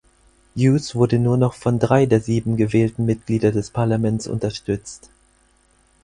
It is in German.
Hughes wurde nur noch von drei der sieben gewählten Mitglieder des Parlaments unterstützt.